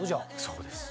そうです。